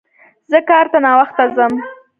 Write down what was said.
زه کار ته ناوخته ځم